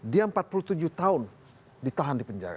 dia empat puluh tujuh tahun ditahan di penjara